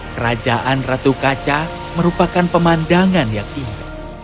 kerajaan ratu kaca merupakan pemandangan yang indah